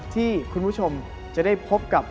ที่คุณผู้ชมจะได้พบกับ